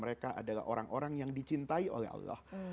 mereka adalah orang orang yang dicintai oleh allah